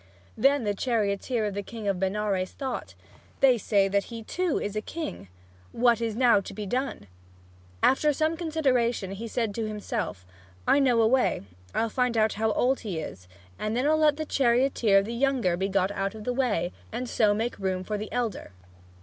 Then the charioteer of the king of Benares thought, "They say then that he too is a king! What is now to be done?" After some consideration, he said to himself, "I know a way. I'll find out how old he is, and then I'll let the chariot of the younger be got out of the way, and so make room for the elder."